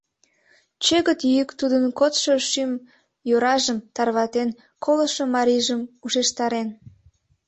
Чӧгыт йӱк тудын кодшо шӱм йоражым тарватен, колышо марийжым ушештарен.